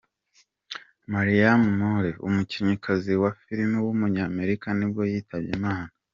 Marilyn Monroe, umukinnyikazi wa film w’umunyamerika nibwo yitabye Imana.